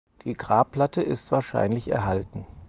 Die Grabplatte ist wahrscheinlich erhalten.